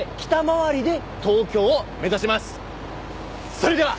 それでは！